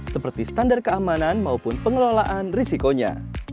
seperti standar keamanan maupun pengelolaan risikonya